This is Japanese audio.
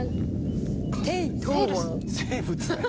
生物だよ。